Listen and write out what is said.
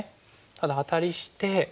ただアタリして。